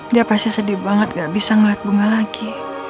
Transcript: dia pasti sedih banget gak bisa ngeliat bunga lagi